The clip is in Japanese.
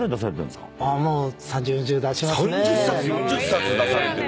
３０冊４０冊出されてる！